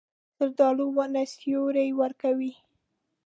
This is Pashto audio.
زردالو ونه سیوری ورکوي.